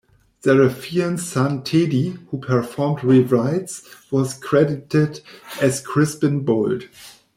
Sarafian's son, Tedi, who performed rewrites, was credited as "Crispan Bolt".